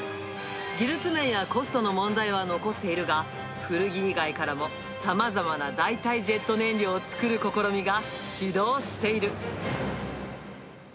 技術面やコストの問題は残っているが、古着以外からも、さまざまな代替ジェット燃料を作る試みが始動している。